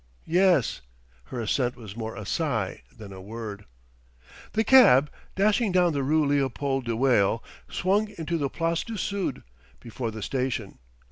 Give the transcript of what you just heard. "Yes..." Her assent was more a sigh than a word. The cab, dashing down the Rue Leopold de Wael, swung into the Place du Sud, before the station.